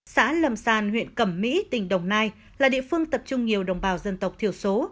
xã lầm sàn huyện cẩm mỹ tỉnh đồng nai là địa phương tập trung nhiều đồng bào dân tộc thiểu số